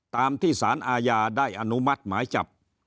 ตามที่สารอาญาได้อนุมัติหมายจับ